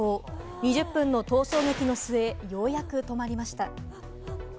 ２０分の逃走劇の末、ようやく止まりました。